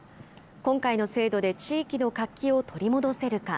今回の制度で地域の活気を取り戻せるか。